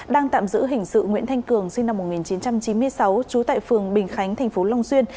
đang tạm giữ hình sự nguyễn thanh cường sinh năm một nghìn chín trăm chín mươi sáu trú tại phường bình khánh thành phố long xuyên